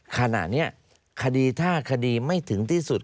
ขณะนี้คดีถ้าคดีไม่ถึงที่สุด